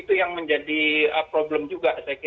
itu yang menjadi problem juga